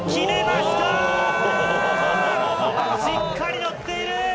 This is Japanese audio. しっかり乗っている。